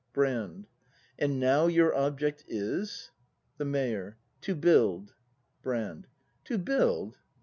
Brand. And now your object is —? The Mayor. To build. Brand. To build